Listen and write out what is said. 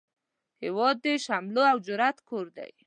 هیواد د شملو او جرئت کور دی